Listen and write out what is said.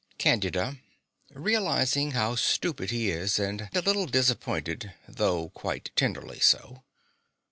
CANDIDA (realizing how stupid he is, and a little disappointed, though quite tenderly so).